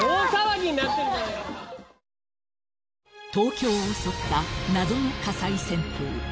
東京を襲った謎の火災旋風。